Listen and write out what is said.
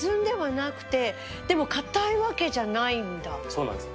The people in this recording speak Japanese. そうなんです。